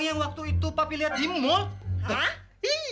mami juga pengen naik